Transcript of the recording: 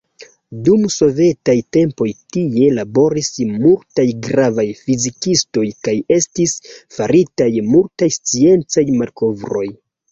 Dum sovetaj tempoj tie laboris multaj gravaj fizikistoj kaj estis faritaj multaj sciencaj malkovroj.